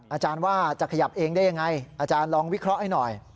อาจารย์ว่าจะขยับเองได้ยังไงอาจารย์ลองวิเคราะห์ให้หน่อย